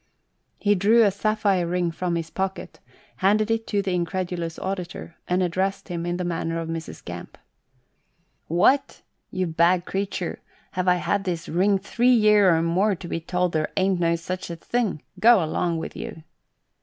He drew a sapphire ring from his pocket, handed it to the incredulous auditor, and addressed him in the manner of Mrs. Gamp. " What ! you bage creetur, have I had this ring three year or more to be told there ain't no sech a thing. Go along with you."